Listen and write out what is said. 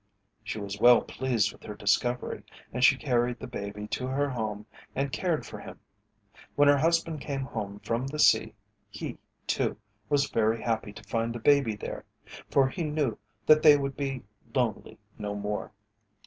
She was well pleased with her discovery, and she carried the baby to her home and cared for him. When her husband came home from the sea, he, too, was very happy to find the baby there, for he knew that they would be lonely no more.